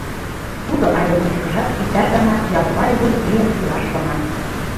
Тудо але ончыкыжат иктаж гана ялпай вуй лийын илаш шона.